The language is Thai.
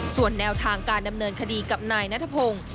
ส่วนแนวทางการดำเนินคดีกับนายนัทพงศ์